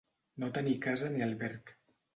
No tenir casa ni alberg.